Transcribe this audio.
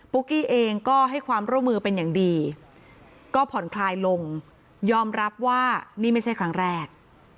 กี้เองก็ให้ความร่วมมือเป็นอย่างดีก็ผ่อนคลายลงยอมรับว่านี่ไม่ใช่ครั้งแรก